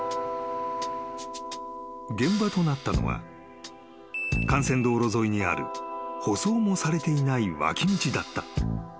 ［現場となったのは幹線道路沿いにある舗装もされていない脇道だった］